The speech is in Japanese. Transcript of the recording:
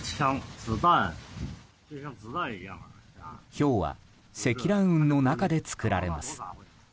ひょうは積乱雲の中で作られます。